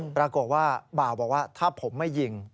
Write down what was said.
ปรากฏว่าบ่าวบอกว่าถ้าผมไม่ยิง